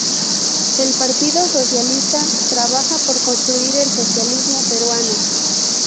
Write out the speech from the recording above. El Partido Socialista trabaja por construir el Socialismo Peruano.